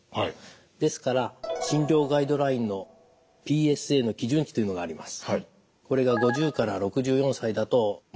ですから診療ガイドラインのＰＳＡの基準値というのがあります。